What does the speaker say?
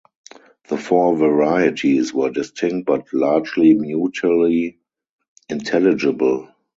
The four varieties were distinct but largely mutually intelligible.